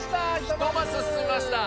ひとマスすすみました。